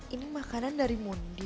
ini makanan dari mundi